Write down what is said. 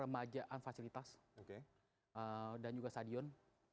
remajaan fasilitas dan juga stadion